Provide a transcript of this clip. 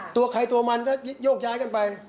ตัวใครตัวมันก็โยกย้ายกันไป